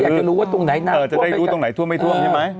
อยากจะรู้ว่าตรงไหนนะจะได้รู้ตรงไหนท่วมไม่ท่วมใช่ไหม